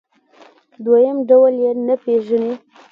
دویم ډول یې نه پېژني.